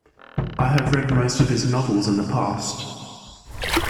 I have read most of his novels in the past.